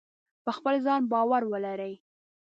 په خپل ځان باور ولرئ.